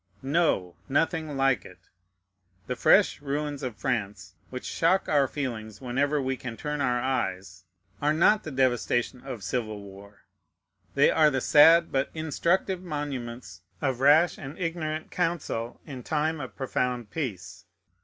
No! nothing like it. The fresh ruins of France, which shock our feelings wherever we can turn our eyes, are not the devastation of civil war: they are the sad, but instructive monuments of rash and ignorant counsel in time of profound peace.